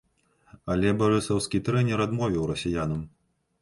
Але барысаўскі трэнер адмовіў расіянам.